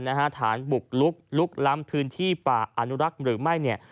ตั้งหมดเหตุฐานบุรุกลุ๊กล้ำพื้นที่ป่าอนุรักษ์หรือไม่